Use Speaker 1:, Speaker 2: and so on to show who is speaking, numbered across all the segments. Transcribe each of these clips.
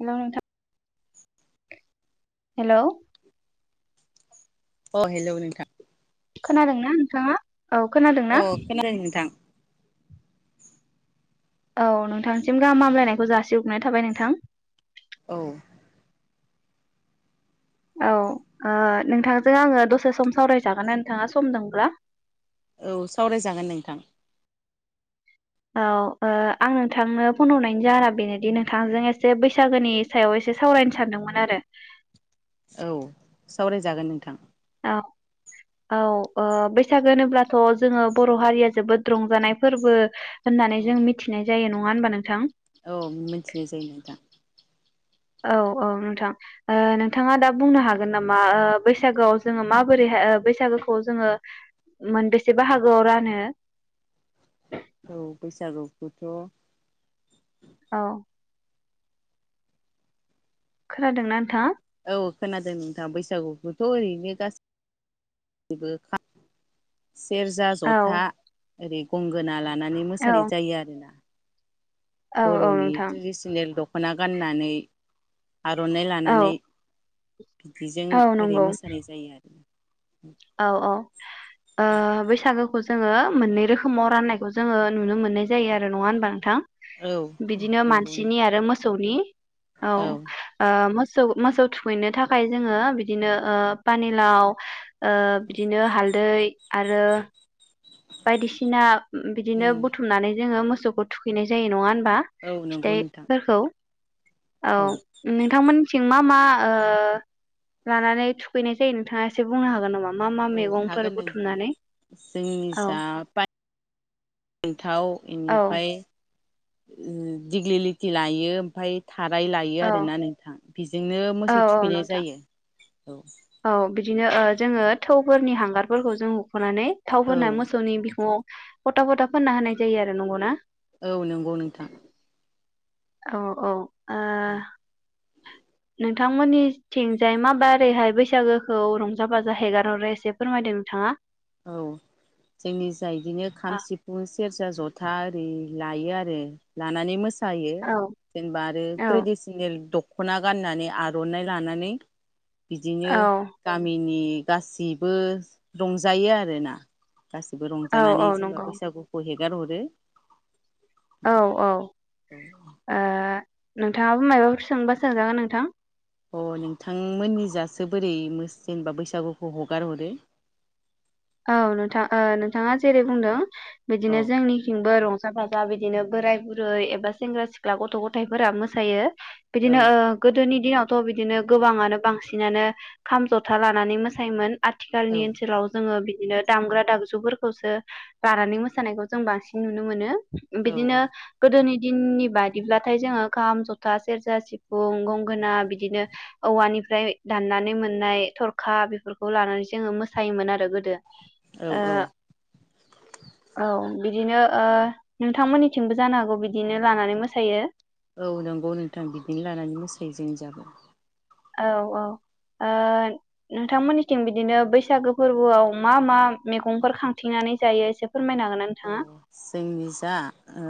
Speaker 1: Hello नोंथां। Hello.
Speaker 2: अ hello नोंथां।
Speaker 1: खोनादोंना नोंथांङा। औ खोनादों
Speaker 2: अ
Speaker 1: ना।
Speaker 2: खोनादों नोंथां
Speaker 1: औ नोंथांसिम गाहामामलायनायखौ जासि हरग्रोनाय थाबाय नोंथां।
Speaker 2: औ।
Speaker 1: औ ओ नोंथांजों आङो दसे सम सावरायजागोन ना नोंथाङा सम दंब्ला।
Speaker 2: औ सावरायजागोन नोंथां।
Speaker 1: औ ओ आं नोंथांनो फन हरनायनि जोना बेनोदि नोंथांजों एसे बैसागोनि सायाव एसे सावरायनो सानदोंमोन आरो।
Speaker 2: औ सावरायजागोन नोंथां।
Speaker 1: औ औ ओ बैसागो होनोब्लाथ जोङो बर' हारिया जोबोद रंजानाय फोरबो होननानै
Speaker 2: औ
Speaker 1: जों मिथिनाय जायो नङा। नङा होनबा नोंथां?
Speaker 2: औ मिथिनाय जायो नोंथां।
Speaker 1: औ औ नोंथां ओ नोंथाङा दा बुंनो हागोन नामा ओ बैसागोआव जोङो माबोरै बैसागोखौ जोङो मोनबेसे बाहागोआव रानो?
Speaker 2: औ बैसागुखौथ'
Speaker 1: औ। खोनादोंना नोंथाङा?
Speaker 2: औ खोनादों नोंथां बैसागुखौथ' ओरैनो गासैबो। सेरजा,
Speaker 1: औ
Speaker 2: ज'था। ओरै गंगोना ला लानानै मोसानाय
Speaker 1: औ
Speaker 2: जायो आरोना?
Speaker 1: औ औ
Speaker 2: बर'नि
Speaker 1: नोंथां
Speaker 2: ट्रेडिसनेल द ख'ना गाननानै आर'नाइ
Speaker 1: औ
Speaker 2: लानानै बिदिजों
Speaker 1: औ
Speaker 2: ओरै
Speaker 1: नंगौ
Speaker 2: मोसानाय जायो आरो।
Speaker 1: औ औ ओ बैसागो खौ जोङो मोननै रोखोमाव राननायखौ जोङो नुनो मोननाय जायो आरो नङा होनबा नोंथां?
Speaker 2: औ
Speaker 1: बिदिनो
Speaker 2: नंगौ
Speaker 1: मानसिनि
Speaker 2: नोंथां
Speaker 1: आरो मोसौनि औ ओ मो मोसौ मोसौ थुखैनो थाखाय जोङो बिदिनो ओ पानिलाव ओ बिदिनो हालदै आरो। बायदिसिना बिदिनो
Speaker 2: उम
Speaker 1: बुथुमनानै जोङो मो सौखौ थुखैनाय जायो नङा होन बा
Speaker 2: औ नंगौ नोंथां
Speaker 1: फिथाइफोरखौ औ नोंथांमोननिथिं मा मा? ओ लानानै थुखैनाय जायो नोंथाङा एसे बुंनो हागोन नामा? मा मा
Speaker 2: औ
Speaker 1: मैगंफोर बुथुमनानै औ
Speaker 2: निजा फान्थाव
Speaker 1: औ
Speaker 2: बेनिफ्राय दिग्लि लिथि लायो ओमफ्राय थाराय लायो
Speaker 1: औ
Speaker 2: आरोना नोंथां बि बिजोंनो
Speaker 1: औ
Speaker 2: मोसौ
Speaker 1: औ
Speaker 2: थुखैनाय
Speaker 1: नोंथां
Speaker 2: जायो। औ
Speaker 1: औ बिदिनो ओ जोङो थौफोरनि हांगारफोरखौ जों फुनानै
Speaker 2: औ
Speaker 1: थावफुननानै मोसौनि बिखुङाव फथा फथा फोनना होनाय जायो आरो नंगौना
Speaker 2: औ नंगौ नोंथां
Speaker 1: औ औ ओह नोंथांमोननि थिंजाय माबारैहाय बैसागोखौ रंजा बाजा हेगारहरो एसे फोरमायदो नोंथाङा
Speaker 2: औ जोंनि जाय बिदिनो खाम सिफुं सेर जथा ओरि लायो आरो लानानै मोसा सायो
Speaker 1: औ
Speaker 2: जेनेबा आरो ट्रेडिसनेल दख दख'ना गाननानै आर'नाइ लानानै बिदिनो
Speaker 1: औ
Speaker 2: गामिनि गासिबो रंजा जायो आरोना गासिबो
Speaker 1: औ
Speaker 2: रंजानानै
Speaker 1: औ
Speaker 2: जेनेबा
Speaker 1: नंगौ
Speaker 2: बैसागुखौ हेग हेगारहरो
Speaker 1: औ औ
Speaker 2: औ
Speaker 1: नोंथाङाबो मायबाफोर सोंबा सोजागोन नोंथां
Speaker 2: अ नोंथांमोननि जासो बोरै जेनेबा बैसागुखौ हगार हरो
Speaker 1: औ नोंथां ओ नोंथाङा जेरै बुंदों बिदिनो जोंनिथिंबो रंजा रंजा बाजा बिदिनो बोराय बुरै एबा सेंग्रा सिख्ला गथ' गथाइफोराबो मोसायो
Speaker 2: अ औ
Speaker 1: बिदिनो ओ गोदोनि दिनावथ' बिदिनो गोबाङानो बांसिनानो खाम, जथा लानानै मोसायोमोन।
Speaker 2: औ
Speaker 1: आथिखालनि ओनसोलाव जोङो बि दिनो दामग्रा दाबजुफोरखौसो बानानै मोसानायखौ जों बांसिन नुनो मोनो।
Speaker 2: औ
Speaker 1: बिदिनो गोदोनि दिननि बादिब्लाथाय जोङो खाम, जथा, सेरजा, सिफुं, गंगोना बिदिनो औवानिफ्राय दाननानै मोननाय थरखा बेफोरखौ लानानै जोङो मोसायोमोन आरो गोदो।
Speaker 2: औ
Speaker 1: ओ
Speaker 2: औ
Speaker 1: औ बिदिनो ओ नोंथांमोननिथिंबो जानो हागौ बिदिनो लानानै मोसायो।
Speaker 2: औ नंगौ नोंथां बिदिनो लानानै मोसायो जोंनि जाबो।
Speaker 1: औ औ ओ नोंथांमोननिथिं बिदिनो बैसागो फोरबोआव मा मा मैगंफोर खांथिंनानै जायो एसे फोरमायनो हागोन ना नोंथाङा?
Speaker 2: जोंनि जा ओ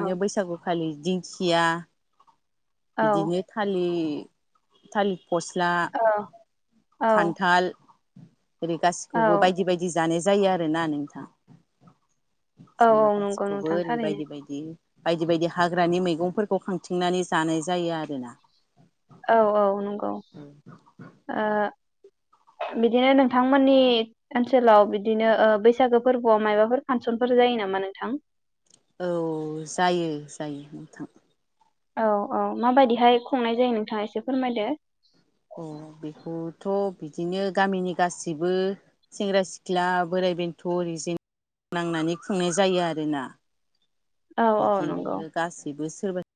Speaker 1: औ
Speaker 2: बैसागुखालि दिंखिया
Speaker 1: औ
Speaker 2: बिदिनो थालिर थालि फस्ला,
Speaker 1: औ औ
Speaker 2: खानथाल जेरै
Speaker 1: औ
Speaker 2: गासिखौबो बायदि बायदि जानाय जायो आरोना नोंथां
Speaker 1: औ
Speaker 2: जेनेबा
Speaker 1: नंगौ
Speaker 2: गासिखौबो
Speaker 1: नोंथां
Speaker 2: ओरै
Speaker 1: थारैनो
Speaker 2: बायदि बायदि बायदि बायदि हाग्रानि मैगंफोरखौ खांथिंनानै जानाय जायो आरोना
Speaker 1: औ औ नंगौ ओ बिदिनो नोंथांमोननि ओनसोलाव बिदिनो ओ बैसागो फोरबोआव मायबाफोर फांसनफोर जायो नामा नोंथां।
Speaker 2: औ जायो जायो नोंथां
Speaker 1: औ औ माबायदिहाय खुंनाय जायो नोंथाङा एसे फोरमायदो।
Speaker 2: अ बेखौथ' बिदिनो गामिनि गासैबो सेंग्रा-सिख्ला बोराइ-बेन्थ' ओरिजें नांनानै खुंनाय जायो आरोना
Speaker 1: औ औ नंगौ
Speaker 2: बिदिनो गासैबो सोरबा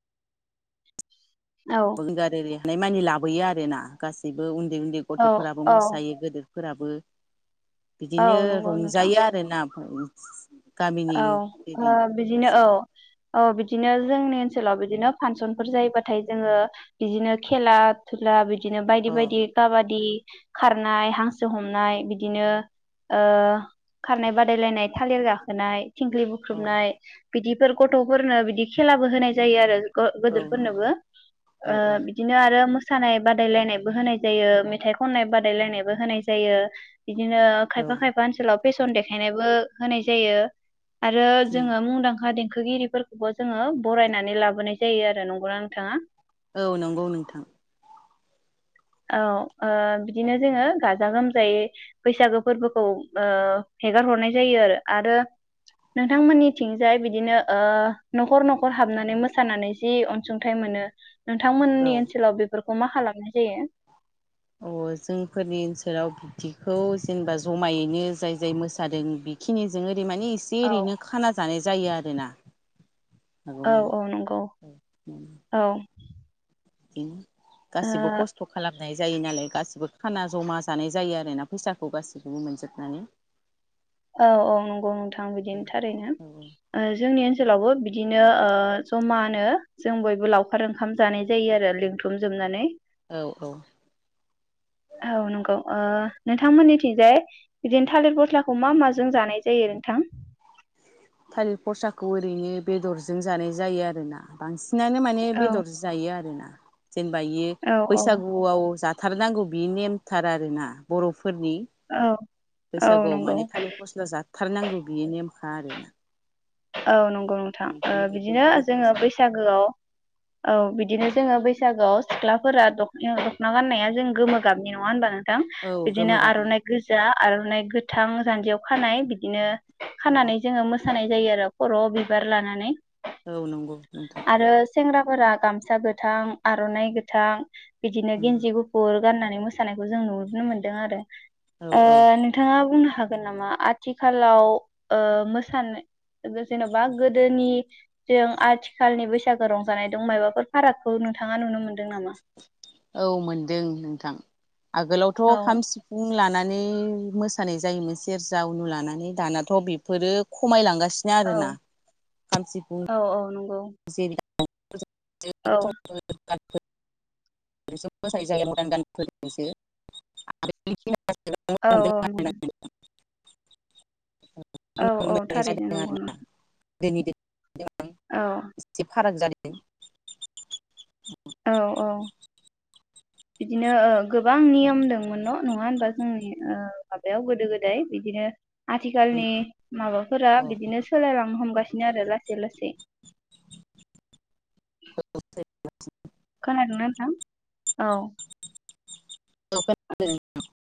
Speaker 1: औ
Speaker 2: बल गार एरिया नायमानि लाबोयो आरो ना गासिबो उन उनदै उनदै
Speaker 1: औ
Speaker 2: गथ'फोराबो
Speaker 1: औ
Speaker 2: मोसायो गोदो फोराबो
Speaker 1: औ
Speaker 2: बिदिनो
Speaker 1: नंगौ नोंथां
Speaker 2: रंजायो आरोना [inaudible]
Speaker 1: औ ओ
Speaker 2: ओरैनो
Speaker 1: बिदिनो औ
Speaker 2: गासैबो
Speaker 1: औ बिदिनो जोंनि ओनसोलाव बिदिनो फांसनफोर जायोबाथाय जोङो बिदिनो खेला धुला बि दिनो बायदि
Speaker 2: अ
Speaker 1: बायदि काबादि खारनाय, हांसो हमनाय बिदिनो ओ खारनाय बादायलायनाय थालिर गाखो नाय थिंख्लि
Speaker 2: औ
Speaker 1: बुख्रुबनाय बिदि गथ'फोरनो बिदि खेलाबो होनाय जायो आरो
Speaker 2: औ नंगौ
Speaker 1: गोदोरफोरनोबो
Speaker 2: औ
Speaker 1: ओ
Speaker 2: औ
Speaker 1: बिदिनो आरो मो मोसानाय बादायलायनायबो होनाय जायो मेथाइ खननाय बादायलायनायबो होनाय जायो बिदिनो खायफा खायफा ओनसोलाव फेसन देखायनायबो होनाय जायो आरो जोङो मुंदांखा दें देंखोगिरिफोरखौबो जोङो बरायनानै लाबोनाय जायो आरो नंगौना नोंथाङा
Speaker 2: औ नंगौ नोंथां
Speaker 1: औ ओ बिदिनो जोङो गाजा गोमजायै बैसागो फोरबोखौ ओ हेगार हरनाय जायो आरो आरो नोंथांमोननिथिंजाय बिदिनो ओ न'खर न'खर हाबनानै मोसानानै जि अनसुंथाइ मोनो नोंथांमोननि
Speaker 2: औ
Speaker 1: ओनसोलाव बेफोर अमा खालामनाय जायो
Speaker 2: अह जोंफोरनि ओनसोलाव बिब्दिखौ जेनेबा जमायैनो जाय जाय मोसादों बेखिनिजोंनो दैमानि इसे
Speaker 1: औ
Speaker 2: ओरैनो खाना जानाय जायो आरोना
Speaker 1: औ
Speaker 2: हागौमानि
Speaker 1: औ नंगौ औ
Speaker 2: बिदिनो
Speaker 1: ओ
Speaker 2: गासिबो खस्थ' खालाम नाय जायो नालाय गासिबो खाना जमा जानाय जायो आरोना फैसाखौ गाससिखौबो मोनजोबनानै
Speaker 1: औ औ नंगौ नोंथां बिदिनि थारैनो ओ जोंनि ओनसोल सोलावबो बिदिनो
Speaker 2: औ औ
Speaker 1: औ नंगौ ओ नोंथांमोननिथिंजाय बिदिनो थालिर गस्ला खौ मा माजों जानाय जायो नोंथां?
Speaker 2: ओ फसाखौ ओरैनो बेदरजों जानाय जायो आरोना बांसिन नानो माने
Speaker 1: औ
Speaker 2: बेदर जायो आरोना जेनेबा इयो
Speaker 1: औ औ
Speaker 2: बैसागुआव जा थारनांगौ बियो नेमथार आरोना बर'फो फोरनि
Speaker 1: औ औ
Speaker 2: बैसागुआव
Speaker 1: नंगौ
Speaker 2: माने थालिर फस्ला जाथारनांगौ बेयो नेम खा आरोना
Speaker 1: औ नंगौ नोंथां ओ
Speaker 2: बेनिखायनो बेखौ
Speaker 1: बिदिनो
Speaker 2: बर'फोरा
Speaker 1: जोङो बैसागोआव औ बिदिनो जोङो बैस सागोआव सिख्लाफोरा दख'ना दख'ना गाननाया जों गोमो गाबनि नङा होमबा थां
Speaker 2: औ गोमो
Speaker 1: बिदिनो
Speaker 2: गाबनि
Speaker 1: आर'नाइ गोजा आर'नाइ गोथां जान्जियाव खानाय बिदिनो।
Speaker 2: औ
Speaker 1: खानानै जोङो मोस सानाय जायो आरो। खर'आव बिबार लानानै।
Speaker 2: औ नंगौ नोंथां।
Speaker 1: आरो सेंग्राफोरा गामसा गोथां आर'नाइ गोथां। बिदिनो गेन्जि गुफुर गाननानै मोसानायखौ जों नुनो मोन्दों आरो।
Speaker 2: औ औ
Speaker 1: ओ नोंथाङा बुंनो हागोन। गोन नामा आथिखालाव ओ मोसानो। जेन'बा गोदोनि जों आथिखालनि बैसागो रंजानाय दं माइबाफोर फारागखौ नोंथाङा नुनो मोनदों नामा?
Speaker 2: औ मोनदों नोंथां। आगोलावथ'
Speaker 1: औ
Speaker 2: खाम सिफुं लानानै मोसानाय जायोमोन सेरजा उनु लानानै दानाथ' बेफोरो खमायलांगासिनो। बिनो
Speaker 1: औ
Speaker 2: आरो ना। औ।
Speaker 1: औ। औ।
Speaker 2: औ।
Speaker 1: औ
Speaker 2: खमैबो। फसाय [unintelligible] जायो म्हनमा [unintelligible] गान्धिसो आरो
Speaker 1: औ नंगौ
Speaker 2: [unintelligible] [unintelligible]
Speaker 1: औ औ थारैनो नंगौ नंगौ।
Speaker 2: दानि दे [inaudible]
Speaker 1: औ।
Speaker 2: इसे फाराग जादों। द [inaudible]
Speaker 1: औ औ। बिदिनो ओं। गोबां नियम दंमोन न'? नंङा होनबा जोंनि माबायाव गोदो गोदाय बिदिनो। आथिखालनि माबाफोरा बिदिनो सोलायलांनो हमगासिनो आरो लासै लासै।
Speaker 2: औ [unintelligible]
Speaker 1: खोनादोना नोंथां? औ
Speaker 2: औ खोनादों नोंथां।